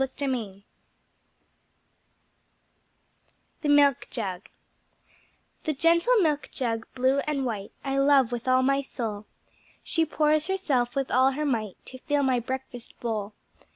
The Milk Jug The Gentle Milk Jug blue and white I love with all my soul, She pours herself with all her might To fill my breakfast bowl.